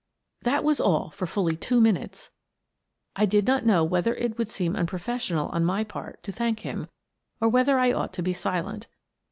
That was all for fully two minutes. I did not know whether it would seem unprofessional on my part to thank him, or whether I ought to be silent.